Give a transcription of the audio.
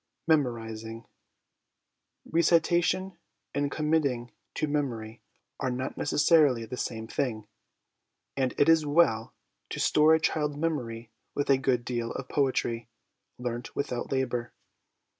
Memorising. Recitation and committing to memory are not necessarily the same thing, and it is well to store a child's memory with a good deal of poetry, learnt without labour.